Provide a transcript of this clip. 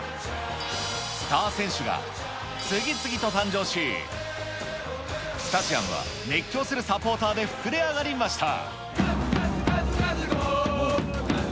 スター選手が次々と誕生し、スタジアムは熱狂するサポーターで膨れ上がりました。